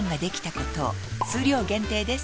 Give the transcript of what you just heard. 数量限定です